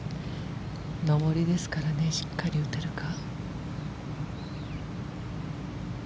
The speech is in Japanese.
上りですからねしっかり打てるか。